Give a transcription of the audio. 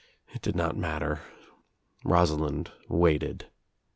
It did not matter. Rosalind waited.